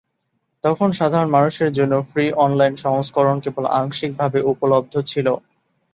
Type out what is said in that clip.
তখন সাধারণ মানুষের জন্য ফ্রি অনলাইন সংস্করণ কেবল আংশিকভাবে উপলব্ধ ছিল।